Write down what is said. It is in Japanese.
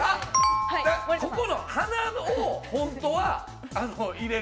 ここの鼻を、本当は入れる。